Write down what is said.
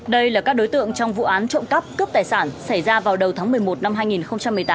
đây là các đối tượng trong vụ án trộm cắp cướp tài sản xảy ra vào đầu tháng một mươi một năm hai nghìn một mươi tám